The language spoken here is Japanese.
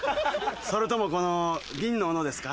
それともこの銀の斧ですか？